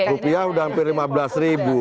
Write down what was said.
rupiah sudah hampir lima belas ribu